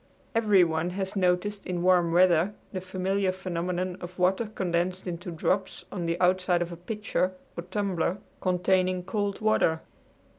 Everyone has noticed in warm weather the familiar phenomenon of water condensed into drops on the outside of a pitcher or tumbler containing cold water.